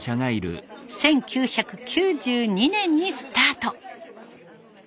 １９９２年にスタート。